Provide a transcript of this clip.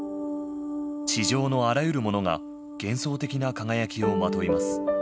地上のあらゆるものが幻想的な輝きをまといます。